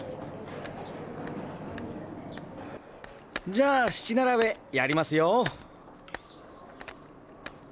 じゃあ七並べやりますよ。